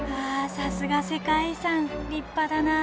さすが世界遺産立派だなあ。